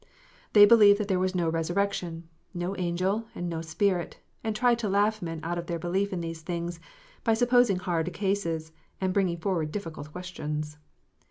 They believed that there was no resurrection, no angel, and no spirit, and tried to laugh men out of their belief in these things, by supposing hard cases, and bringing forward difficult questions.